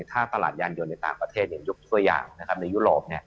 ถ้าตลาดยานยนต์ในต่างประเทศยกตัวอย่างในยุโรป